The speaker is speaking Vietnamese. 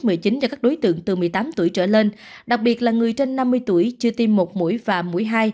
cho các đối tượng từ một mươi tám tuổi trở lên đặc biệt là người trên năm mươi tuổi chưa tiêm một mũi và mũi hai